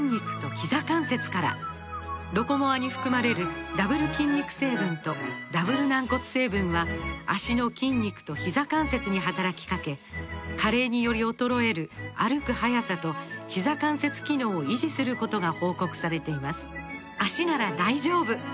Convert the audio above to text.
「ロコモア」に含まれるダブル筋肉成分とダブル軟骨成分は脚の筋肉とひざ関節に働きかけ加齢により衰える歩く速さとひざ関節機能を維持することが報告されています